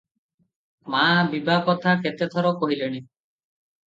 ମା ବିଭାକଥା କେତେ ଥର କହିଲେଣି ।